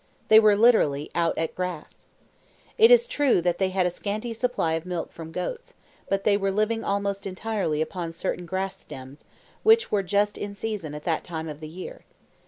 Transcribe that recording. They were literally "out at grass." It is true that they had a scanty supply of milk from goats, but they were living almost entirely upon certain grass stems, which were just in season at that time of the year.